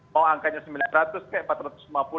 mau angkanya sembilan ratus kayak empat ratus lima puluh